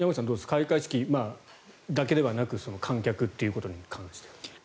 開会式だけではなく観客ということに関して。